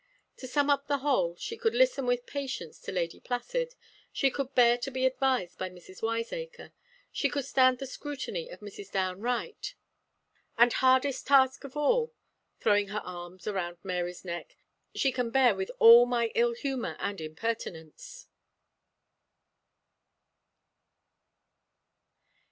To sum up the whole, she could listen with patience to Lady Placid; she could bear to be advised by Mrs. Wiseacre; she could stand the scrutiny of Mrs. Downe Wright; and, hardest task of all" (throwing her arms around Mary's neck), "she can bear with all my ill humour and impertinence."